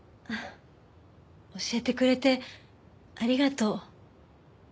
教えてくれてありがとう。